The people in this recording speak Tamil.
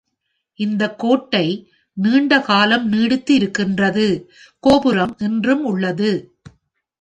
இந்த கோட்டை நீண்ட காலம் நீடித்து இருக்கின்றது, கோபுரம் இன்றும் உள்ளது.